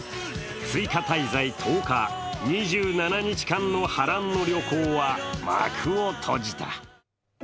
追加滞在１０日、２７日間の波乱の旅行は幕を閉じた。